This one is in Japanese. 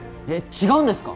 違うんですか？